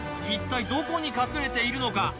一体どこに隠れているのか？